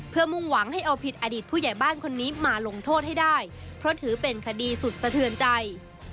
เพื่อมุ่งหวังให้เอาผิดอดีตผู้ใหญ่บ้านคนนี้มาลงโทษให้ได้เพราะถือเป็นคดีสุดสะเทือนใจ